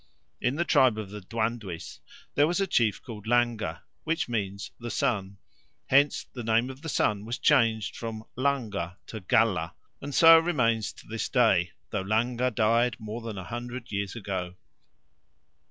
In the tribe of the Dwandwes there was a chief called Langa, which means the sun; hence the name of the sun was changed from langa to gala, and so remains to this day, though Langa died more than a hundred years ago.